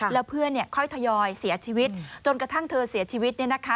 แล้วเพื่อนเนี่ยค่อยทยอยเสียชีวิตจนกระทั่งเธอเสียชีวิตเนี่ยนะคะ